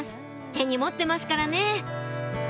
手に持ってますからね